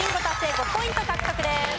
５ポイント獲得です。